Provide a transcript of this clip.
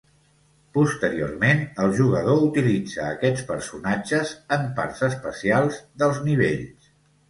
Posteriorment, el jugador utilitza a aquests personatges en parts especials dels nivells.